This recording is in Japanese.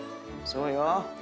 そうよ。